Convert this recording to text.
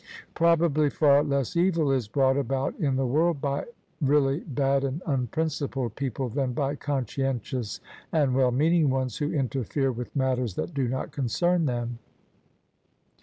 Probably far less evil is brought about in the world by really bad and imprincipled people than by conscientious and well meaning ones who interfere with matters that do not concern them.